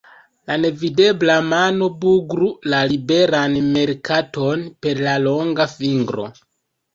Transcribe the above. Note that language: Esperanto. La Nevidebla Mano bugru la Liberan Merkaton per la longa fingro!